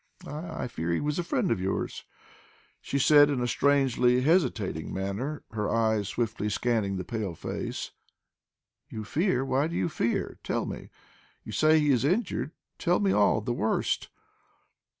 "I I fear he was a friend of yours," she said in a strangely hesitating manner, her eyes swiftly scanning the pale face. "You fear! Why do you fear? Tell me. You say he is injured. Tell me all the worst!"